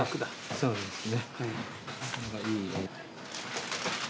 そうですね。